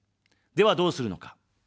では、どうするのか。